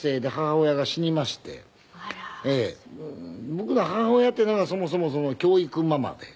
僕の母親っていうのがそもそも教育ママで。